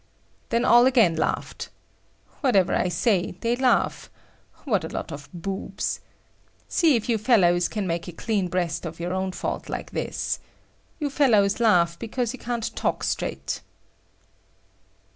Then all again laughed. Whatever I say, they laugh. What a lot of boobs! See if you fellows can make a clean breast of your own fault like this! You fellows laugh because you can't talk straight.